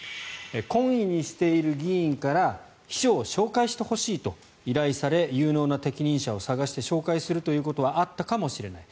懇意にしている議員から秘書を紹介してほしいと依頼され有能な適任者を探して紹介するということはあったかもしれない